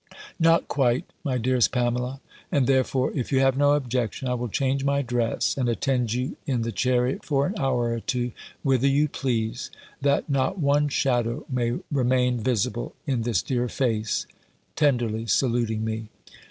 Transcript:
"Not quite, my dearest Pamela; and therefore, if you have no objection, I will change my dress, and attend you in the chariot for an hour or two, whither you please, that not one shadow may remain visible in this dear face;" tenderly saluting me.